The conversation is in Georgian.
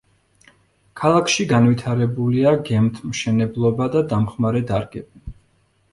ქალაქში განვითარებულია გემთმშენებლობა და დამხმარე დარგები.